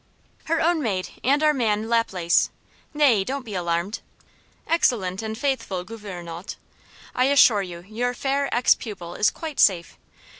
"Her own maid, and our man Laplace. Nay, don't be alarmed, excellent and faithful gouvernante! I assure you your fair ex pupil is quite safe.